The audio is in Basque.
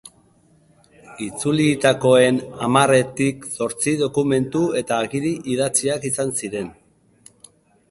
Itzulitakoen hamarretik zortzi dokumentu eta agiri idatziak izan ziren.